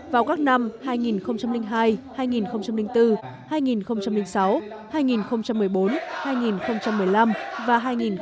vào các năm hai nghìn hai hai nghìn bốn hai nghìn sáu hai nghìn một mươi bốn hai nghìn một mươi năm và hai nghìn một mươi